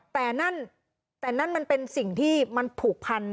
แต่นั่นแต่นั่นมันเป็นสิ่งที่มันผูกพัน